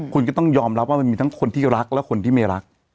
คุณก็ต้องยอมรับว่ามันมีทั้งคนที่รักและคนที่ไม่รัก